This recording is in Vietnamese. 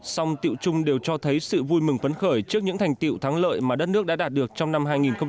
song tiệu chung đều cho thấy sự vui mừng phấn khởi trước những thành tiệu thắng lợi mà đất nước đã đạt được trong năm hai nghìn một mươi tám